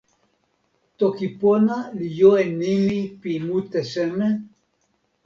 toki pona li jo e nimi pi mute seme?